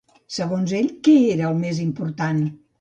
Segons ell, què era el més important?